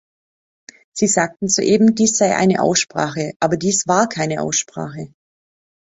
Sie sagten soeben, dies sei eine Aussprache, aber dies war keine Aussprache.